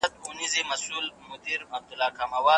حضوري زده کړه به د تمرين اصلاح په دوامداره توګه ترسره کړي.